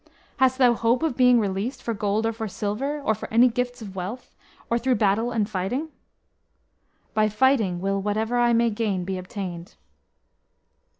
"Hast thou hope of being released for gold or for silver, or for any gifts of wealth, or through battle and fighting?" "By fighting will what ever I may gain be obtained."